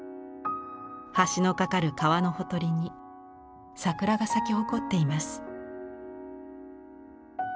橋の架かる川のほとりに桜が咲き誇っています。